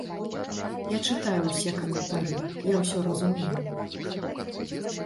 Я чытаю ўсе каментары, я ўсё разумею.